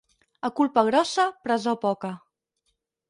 A culpa grossa, presó poca.